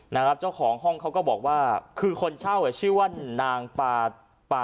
นะครับเจ้าของห้องเขาก็บอกว่าคือคนเช่าอ่ะชื่อว่านางปา